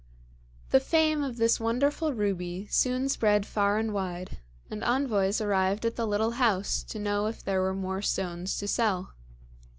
The fame of this wonderful ruby soon spread far and wide, and envoys arrived at the little house to know if there were more stones to sell.